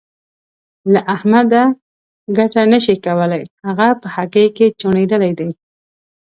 له احمده ګټه نه شې کولای؛ هغه په هګۍ کې چوڼېدلی دی.